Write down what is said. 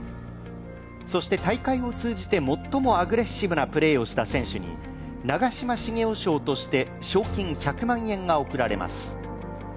そして大会を通じて最もアグレッシブなプレーをした選手に、長嶋茂雄賞として賞金１００万円が贈られます。